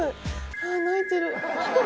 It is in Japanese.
あー、泣いてる。